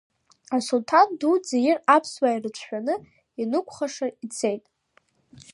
Асулҭан дуӡӡа ир аԥсуаа ирыцәшәаны инықәхәаша ицеит!